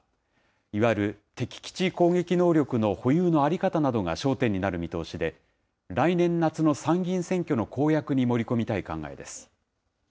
いわゆる敵基地攻撃能力の保有の在り方などが焦点になる見通しで、来年夏の参議院選挙の公約に盛り込みたい考えです。